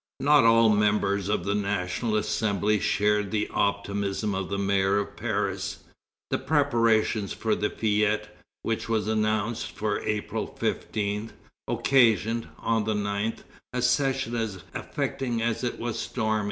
Not all the members of the National Assembly shared the optimism of the mayor of Paris. The preparations for the fête, which was announced for April 15, occasioned, on the 9th, a session as affecting as it was stormy.